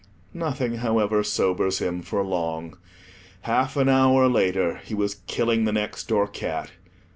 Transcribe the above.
Nothing, however, sobers him for long. Half an hour later, he was killing the next door cat.